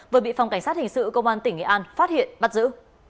vừa bị phòng cảnh sát hình sự công an tỉnh nghệ an phát hiện bắt giữ